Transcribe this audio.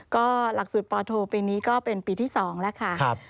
ก็หลักสูตรปโทปีนี้ก็เป็นปีที่๒แล้วค่ะ